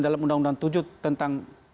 dalam undang undang tujuh tentang